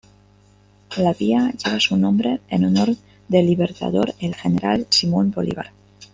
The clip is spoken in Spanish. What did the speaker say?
La vía lleva su nombre en honor del Libertador el general Simón Bolívar.